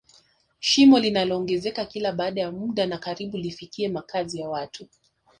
shimo linaongezeka kila baada ya muda na karibu lifikie makazi ya watu